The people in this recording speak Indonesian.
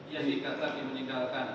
yang dikatakan meninggalkan